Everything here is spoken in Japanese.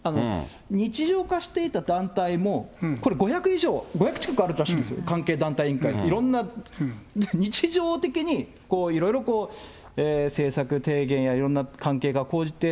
日常化していた団体もこれ５００以上、５００近くあるらしいんですよ、関係団体委員会、いろんな、日常的にいろいろ政策提言や、いろんな関係が講じて、